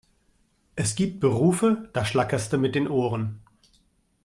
Es gibt Berufe, da schlackerste mit den Ohren!